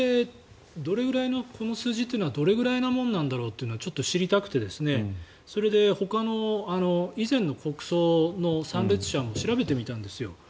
これ、この数字はどれぐらいのものなんだろうというのはちょっと知りたくてそれで、ほかの以前の国葬の参列者も調べてみたんですよ。